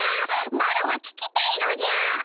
マロは聞きたいのじゃ！